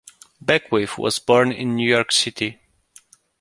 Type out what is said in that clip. Beckwith was born in New York City.